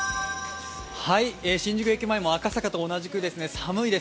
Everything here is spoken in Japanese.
新宿駅前も赤坂と同じく寒いです。